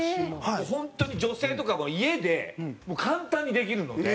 本当に女性とかも家で簡単にできるので。